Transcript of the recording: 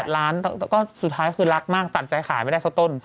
๑๘ล้านคือรักมากตัดใจขายไม่ได้ซะต้น